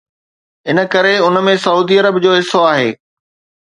ان ڪري ان ۾ سعودي عرب جو حصو آهي.